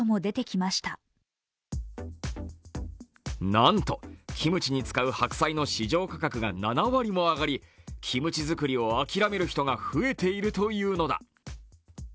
なんとキムチに使う白菜の市場価格が７割も上がり、キムチ作りを諦める人が増えているというのだ。